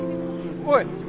おい。